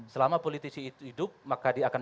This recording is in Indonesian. selama politisi itu hidup maka dia akan